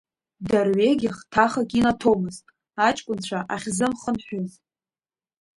Дарҩагьых ҭахак инаҭомызт аҷкәынцәа ахьзымхынҳәыз.